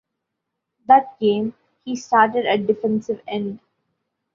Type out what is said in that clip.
That game, he started at defensive end.